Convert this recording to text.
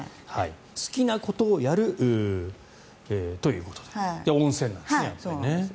好きなことをやるということで温泉なんですね、やっぱりね。